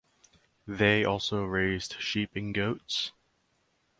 They also raised sheep and goats.